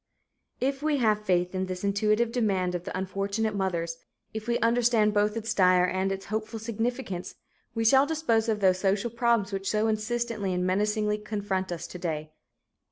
If we have faith in this intuitive demand of the unfortunate mothers, if we understand both its dire and its hopeful significance, we shall dispose of those social problems which so insistently and menacingly confront us today.